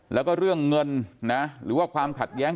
แล้วก็เรื่องเงินนะหรือว่าความขัดแย้ง